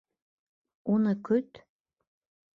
Уны көт.